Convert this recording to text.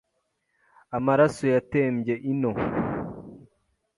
Amaraso yatembye ino